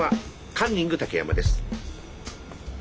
カンニング竹山です。